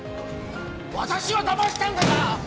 私をだましたんだな！